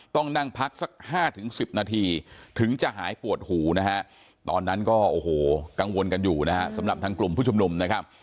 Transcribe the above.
ต้องนั่งพักสัก๕๑๐นาทีถึงจะหายปวดหูนะฮะตอนนั้นก็โอ้โหกังวลกันอยู่นะฮะสำหรับทางกลุ่มผู้ชุมนุมนะครับ